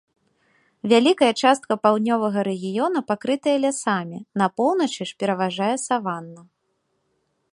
Вялікая частка паўднёвага рэгіёна пакрытая лясамі, на поўначы ж пераважае саванна.